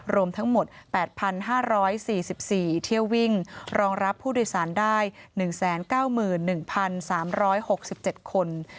รวมทั้งหมด๘๕๔๔เที่ยววิ่งรองรับผู้โดยสารได้๑๙๑๓๖๗คน